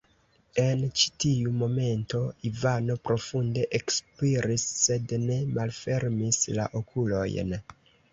En ĉi-tiu momento Ivano profunde ekspiris, sed ne malfermis la okulojn.